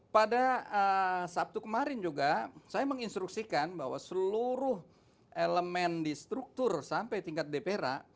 pada sabtu kemarin juga saya menginstruksikan bahwa seluruh elemen di struktur sampai tingkat dpra